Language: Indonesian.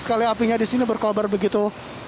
sekali apinya di sini berkobar begitu